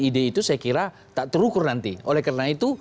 ini cara hujan terkait itu kak sandi